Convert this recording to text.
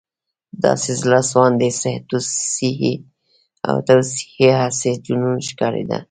• داسې زړهسواندې توصیې، هسې جنون ښکارېده.